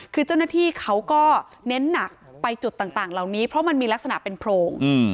คือเจ้าหน้าที่เขาก็เน้นหนักไปจุดต่างเหล่านี้เพราะมันมีลักษณะเป็นโพรง